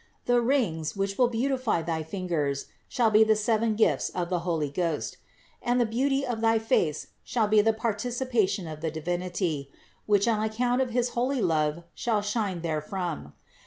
The rings, which will beautify thy fingers, shall be the seven gifts of the Holy Ghost; and the beauty of thy face shall be the participation of the Divinity, which on account of his holy love, shall shine therefrom.